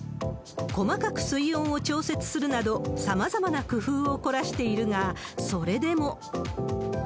細かく水温を調節するなど、さまざまな工夫を凝らしているが、それでも。